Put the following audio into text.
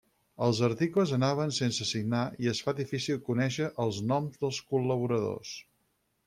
Els articles anaven sense signar i es fa difícil conèixer els noms dels col·laboradors.